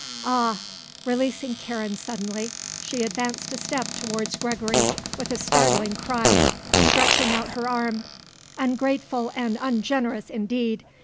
Ah" releasing Karen suddenly, she advanced a step towards Gregory, with a startling cry, stretching out her arm "ungrateful and ungenerous indeed!